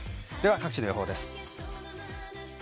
各地の予報です。